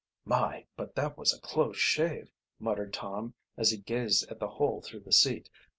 "My, but that was a close shave!" muttered Tom, as he gazed at the hole through the seat.